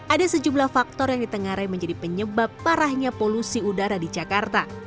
ada sejumlah faktor yang ditengarai menjadi penyebab parahnya polusi udara di jakarta